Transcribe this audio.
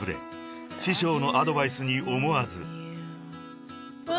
［師匠のアドバイスに思わず］わ。